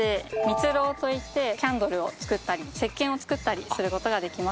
ミツロウといってキャンドルを作ったりせっけんを作ったりすることができます。